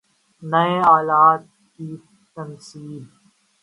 نئے آلات کی تنصیب